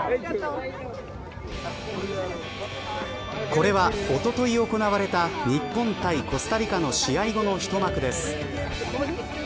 これは、おととい行われた日本対コスタリカの試合後の一幕です。